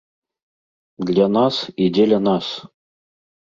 Для нас і дзеля нас.